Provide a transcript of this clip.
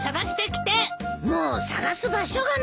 もう捜す場所がないよ。